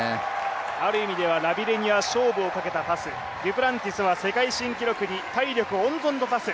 ある意味ではラビレニは勝負をかけたパス、デュプランティスは世界記録に体力温存のパス